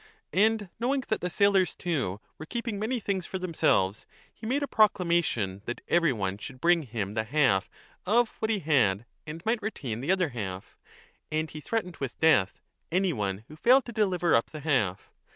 And knowing that the sailors too were keeping 35 many things for themselves, he made a proclamation that every one should bring him the half of what he had and i35o a might retain the other half; and he threatened with death any one who failed to deliver up the half.